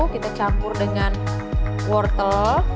kita campur dengan wortel